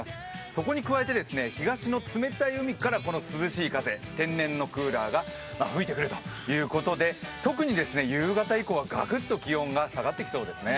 そこに加えて東の冷たい海からこの涼しい風、天然のクーラーが吹いてくるということで、特に夕方以降はガクっと気温が下がってきそうですね。